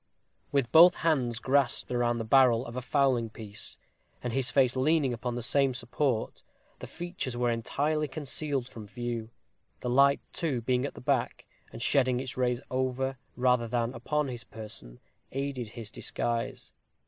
With both hands grasped round the barrel of a fowling piece, and his face leaning upon the same support, the features were entirely concealed from view; the light, too, being at the back, and shedding its rays over, rather than upon his person, aided his disguise.